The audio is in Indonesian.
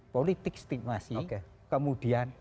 politik stigmasi kemudian